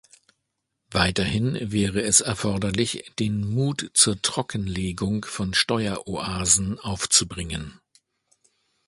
Weiterhin wäre es erforderlich, den Mut zur Trockenlegung von Steueroasen aufzubringen.